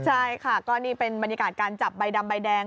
ใช่ค่ะก็นี่เป็นบรรยากาศการจับใบดำใบแดง